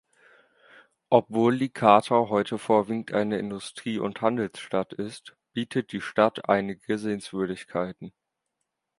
Obwohl Licata heute vorwiegend eine Industrie- und Handelsstadt ist, bietet die Stadt einige Sehenswürdigkeiten.